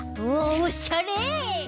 おっしゃれ！